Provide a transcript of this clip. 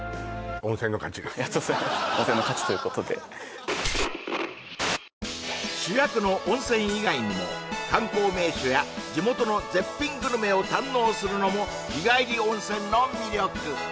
温泉の勝ちということで主役の温泉以外にも観光名所や地元の絶品グルメを堪能するのも日帰り温泉の魅力